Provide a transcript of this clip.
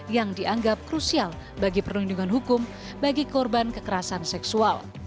yang dianggap krusial bagi perlindungan hukum bagi korban kekerasan seksual